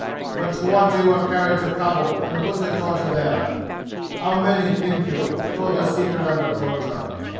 The twenty were carried to Khabul and put to torture there. How many, think you, told the secret under torture?